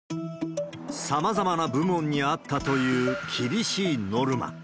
さまざまな部門にあったという厳しいノルマ。